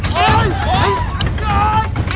อ๋อเป็นรายไม้ครับผม